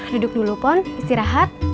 duduk dulu pon istirahat